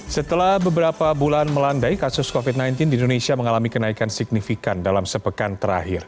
setelah beberapa bulan melandai kasus covid sembilan belas di indonesia mengalami kenaikan signifikan dalam sepekan terakhir